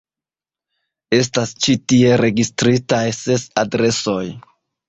Estas ĉi tie registritaj ses adresoj.